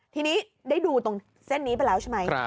ทีนี้ได้ดูตรงเส้นนี้ไปแล้วใช่ไหม